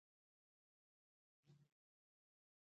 توندلاریتوب د دې ډلې نه بېلېدونکې برخه ده.